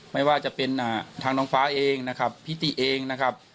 ไม่ว่าจะเป็นทางน้องฟ้าเองนะครับพี่ติเองนะครับ